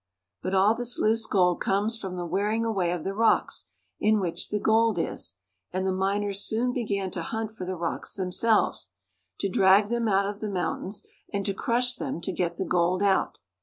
But all this loose gold comes from the wearing away of the rocks in which the gold is; and the miners soon began to hunt for the rocks themselves, to drag them out of the mountains, and to crush them to get the 'gold out.